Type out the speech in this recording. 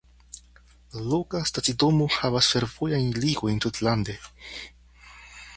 La loka stacidomo havas fervojajn ligojn tutlande.